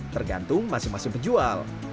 tergantung masing masing penjual